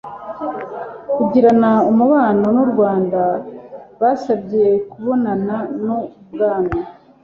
kugirana umubano n u Rwanda Basabye kubonana n ibwami